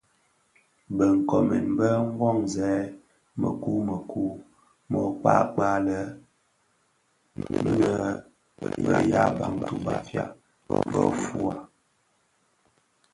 Bë nkoomèn bèn Monzèn mëkuu mekuu mō kpakpag la nnë be ya bantu (Bafia) bö fuugha,